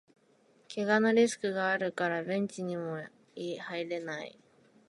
けがのリスクがあるからベンチにも入れない